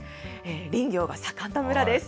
林業が盛んな村です。